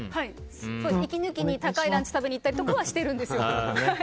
息抜きに高いランチを食べに行ったりしてるんですよ。